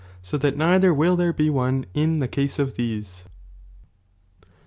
80 that neither will there be one in the caseof these.